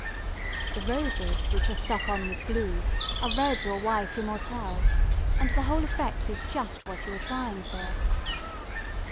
The roses, which are stuck on with glue, are red or white immortelles, and the whole effect is just what you are trying for.